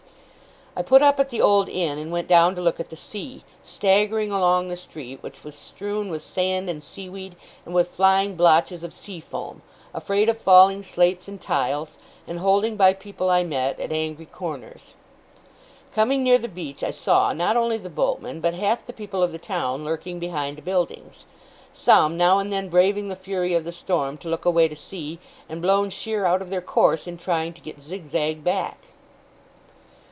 I put up at the old inn, and went down to look at the sea; staggering along the street, which was strewn with sand and seaweed, and with flying blotches of sea foam; afraid of falling slates and tiles; and holding by people I met, at angry corners. Coming near the beach, I saw, not only the boatmen, but half the people of the town, lurking behind buildings; some, now and then braving the fury of the storm to look away to sea, and blown sheer out of their course in trying to get zigzag back.